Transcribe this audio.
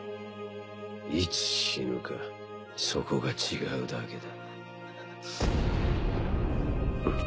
いつ死ぬかそこが違うだけだ。